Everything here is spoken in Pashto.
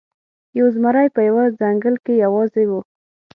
یو زمری په یوه ځنګل کې یوازې و.